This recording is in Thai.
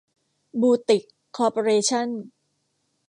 บูทิค คอร์ปอเรชั่น